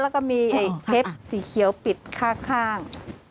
แล้วก็มีเทปสีเขียวปิดข้าง